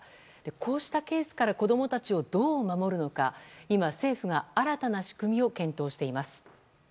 こうしたケースから子供たちをどう守るのか今、政府が新たな仕組みを検討しています。